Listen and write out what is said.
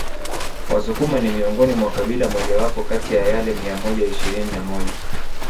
wasukuma ni miongoni mwa kabila mojawapo kati ya yale mia moja ishirini na moja